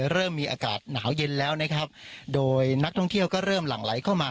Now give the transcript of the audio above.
เริ่มมีอากาศหนาวเย็นแล้วนะครับโดยนักท่องเที่ยวก็เริ่มหลั่งไหลเข้ามา